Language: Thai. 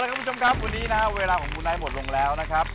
อ๋อแล้วคุณผู้ชมครับวันนี้นะฮะเวลาของมูนะฮะหมดลงแล้วนะครับ